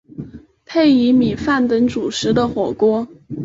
配以米饭等主食的火锅。